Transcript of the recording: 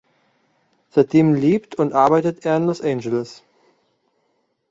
Seitdem lebt und arbeitet er in Los Angeles.